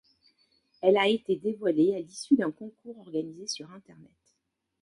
Elle a été dévoilée à l'issue d'un concours organisé sur internet.